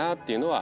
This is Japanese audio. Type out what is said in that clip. は